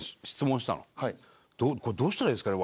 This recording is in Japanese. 「これどうしたらいいですかね？